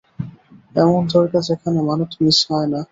এমন দরগা যেখানে মানত মিস হয় না।